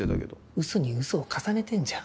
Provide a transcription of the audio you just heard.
ウソにウソを重ねてんじゃん。